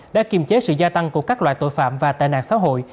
đã kiềm chế sự gia tăng của các loại tội phạm và tệ nạn xã hội